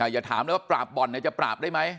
อย่าถามเลยว่าปราบบ่อนจะปราบได้ไหม